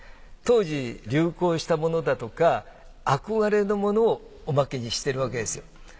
当時流行したものだとか憧れのものをおまけにしてるわけですよ。